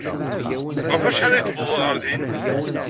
Ɣef wacḥal ay tewwḍed ɣer din?